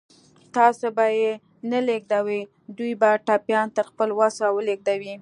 تاسې به یې نه لېږدوئ، دوی به ټپيان تر خپل وسه ولېږدوي.